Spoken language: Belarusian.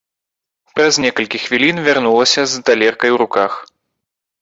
Праз некалькі хвілін вярнулася з талеркай у руках.